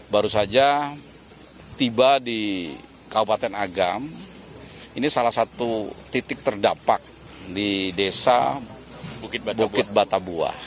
baru saja tiba di kabupaten agam ini salah satu titik terdampak di desa bukit batabuah